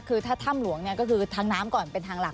คือถ้าถ้ำหลวงเนี่ยก็คือทางน้ำก่อนเป็นทางหลัก